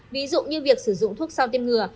ví dụ như việc sử dụng thuốc sau tiêm ngừa